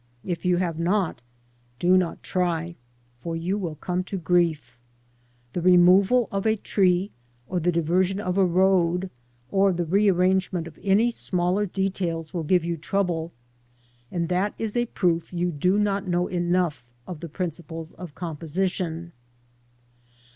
If you have not, do not try, for you will come to grief. The removal of a tree, or the diversion of a road, or the rearrangement of any smaller details will give you trouble, and that is a proof you do not know enough of the principles of composition.